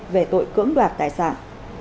về tội cưỡng đoạt tài sản